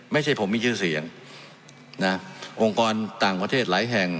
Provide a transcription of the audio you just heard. ไม่ใช่ผมมีชื่อเสียงนะองค์กรต่างประเทศหลายแห่ง